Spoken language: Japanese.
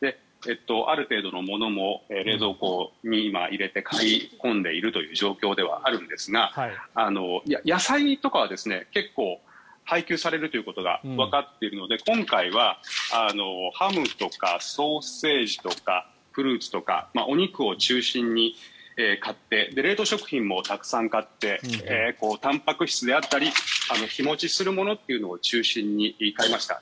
ある程度のものも冷蔵庫に今、入れて買い込んでいる状況ではあるんですが野菜とかは結構、配給されるということがわかっているので今回はハムとかソーセージとかフルーツとかお肉を中心に買って冷凍食品もたくさん買ってたんぱく質であったり日持ちするものというものを中心に買いました。